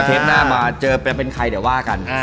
หน้ามาเจอเป็นใครเดี๋ยวว่ากัน